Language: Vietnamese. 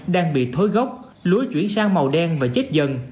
đang bị thối gốc lúa chuyển sang màu đen và chết dần